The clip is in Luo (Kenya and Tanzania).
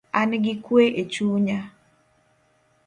An gi kue echunya